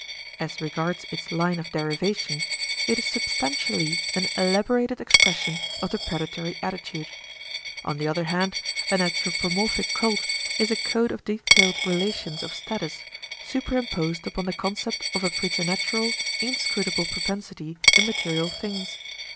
As regards its line of derivation, it is substantially an elaborated expression of the predatory attitude. On the other hand, an anthropomorphic cult is a code of detailed relations of status superimposed upon the concept of a preternatural, inscrutable propensity in material things.